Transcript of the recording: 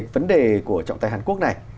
vấn đề của trọng tài hàn quốc này